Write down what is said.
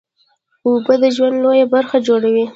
اوبه د ژوند لویه برخه جوړوي